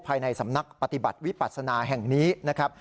ภายในสำนักปฏิบัติวิปัสนาแห่งนี้นะครับ